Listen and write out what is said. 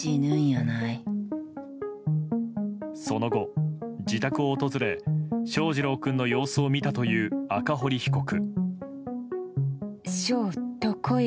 その後、自宅を訪れ翔士郎君の様子を見たという赤堀被告。